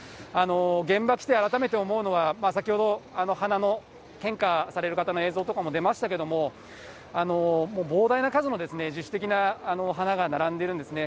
現場来て改めて思うのは、先ほど花の、献花される方の映像とかも出ましたけれども、膨大な数の自主的な花が並んでるんですね。